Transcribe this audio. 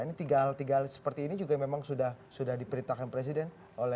ini tiga hal tiga hal seperti ini juga memang sudah diperintahkan presiden